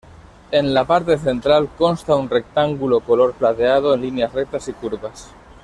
En la parte central consta un rectángulo color plateado en líneas rectas y curvas.